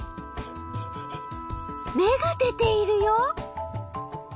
芽が出ているよ！